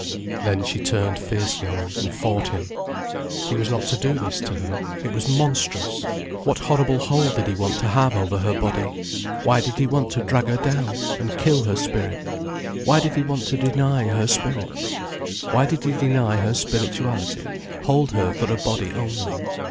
Then she turned fiercely on him, and fought him. He was not to do this to her, it was monstrous. What horrible hold did he want to have over her body? Why did he want to drag her down, and kill her spirit? Why did he want to deny her spirit? Why did he deny her spirituality, hold her for a body only?